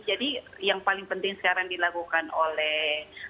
jadi yang paling penting sekarang dilakukan oleh